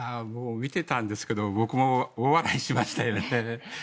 見ていたんですけど僕も大笑いしましたよね。